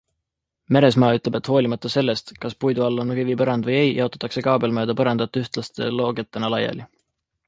Meresmaa ütleb, et hoolimata sellest, kas puidu all on kivipõrand või ei, jaotatakse kaabel mööda põrandat ühtlaste loogetena laiali.